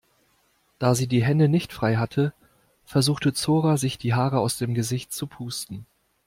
Da sie die Hände nicht frei hatte, versuchte Zora sich die Haare aus dem Gesicht zu pusten.